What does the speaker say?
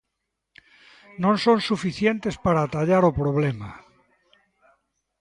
Non son suficientes para atallar o problema.